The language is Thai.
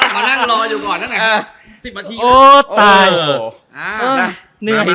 มานั่งรออยู่ก่อนนะ